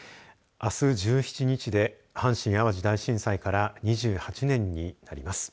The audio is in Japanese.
あす１７日で阪神・淡路大震災から２８年になります。